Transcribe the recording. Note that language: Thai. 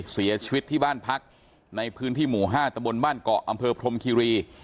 เสียชีวิตที่บ้านพักในพื้นที่หมู่๕ตะบนบ้านเกาะอำเภอพรมคิรี